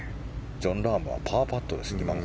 ジョン・ラームはパーパットですね。